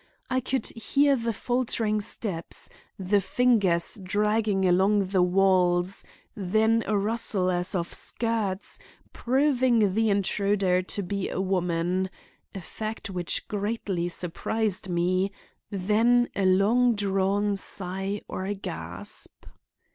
I could hear the faltering steps—the fingers dragging along the walls; then a rustle as of skirts, proving the intruder to be a woman—a fact which greatly surprised me—then a long drawn sigh or gasp.